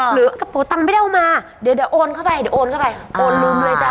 หรือกระเป๋าตังไม่ได้เอามาเดี๋ยวโอนเข้าไปโอนลืมเลยจ้า